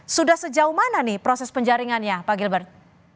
sudah sejauh mana nih proses penjaringannya pak gilbert